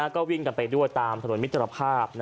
ก็วิ่งกันไปด้วยตามถนนมิตรภาพ